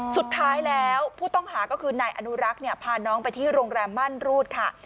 สุดท้ายแล้วผู้ต้องหาก็คือนายอนุรักษ์เนี่ยพาน้องไปที่โรงแรมมั่นรูดค่ะ